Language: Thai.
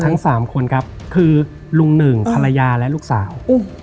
ทั้งสามคนครับคือลุงหนึ่งภรรยาและลูกสาว